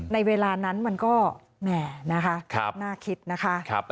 ในเวลานั้นมันก็แหม่นะคะน่าคิดนะคะ